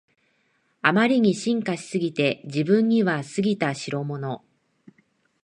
あまりに進化しすぎて自分には過ぎたしろもの